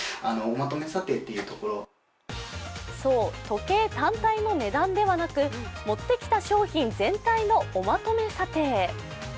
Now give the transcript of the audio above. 時計単体の値段ではなく、持ってきた商品全体のおまとめ査定。